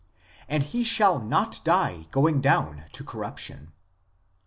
and he shall not die (going down) to corruption," cp.